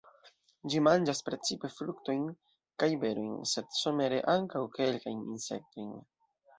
Ĝi manĝas precipe fruktojn kaj berojn, sed somere ankaŭ kelkajn insektojn.